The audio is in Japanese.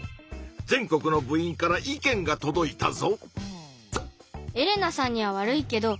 全国の部員から意見がとどいたぞ！